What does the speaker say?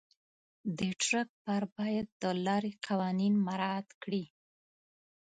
د ټرک بار باید د لارې قوانین مراعت کړي.